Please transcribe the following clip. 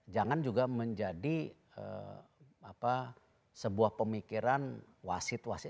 jangan juga menjadi sebuah pemikiran wasit wasit